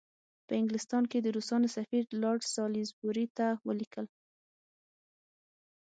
په انګلستان کې د روسانو سفیر لارډ سالیزبوري ته ولیکل.